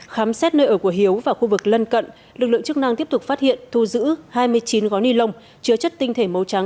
khám xét nơi ở của hiếu và khu vực lân cận lực lượng chức năng tiếp tục phát hiện thu giữ hai mươi chín gói ni lông chứa chất tinh thể màu trắng